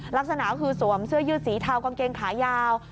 ลักษณะคือสวมเสื้อยืดสีเทากางเกงขายาว